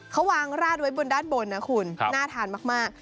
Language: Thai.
เขาวางราดไว้บนด้านบนนะคุณน่าทานมาก